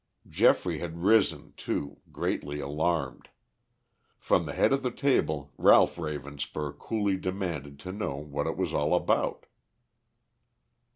Geoffrey had risen, too, greatly alarmed. From the head of the table, Ralph Ravenspur coolly demanded to know what it was all about.